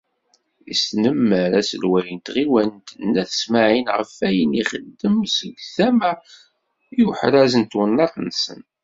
Yesnemmer aselway n tɣiwant n At Smaεel ɣef wayen i ixeddem seg tama-s i uḥraz n twennaḍt-nsen.